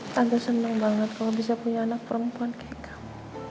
tante senang banget kalau bisa punya anak perempuan kayak kamu